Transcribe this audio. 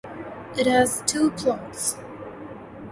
It has two plots.